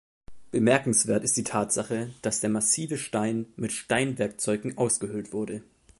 Bemerkenswert ist die Tatsache, dass der massive Stein mit Steinwerkzeugen ausgehöhlt wurde.